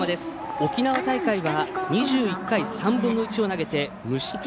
沖縄大会は、２１回３分の１を投げて無失点。